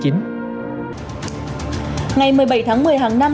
ngày một mươi bảy tháng một mươi hàng năm